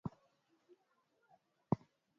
wanasheria wanadadisi sababu ya kukosefu kwa ufafanuzi